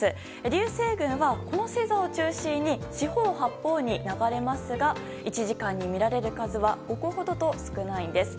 流星群はこの星座を中心に四方八方に流れますが１時間に見られる数は５個ほどと少ないんです。